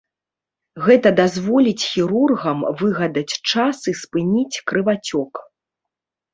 Гэта дазволіць хірургам выгадаць час і спыніць крывацёк.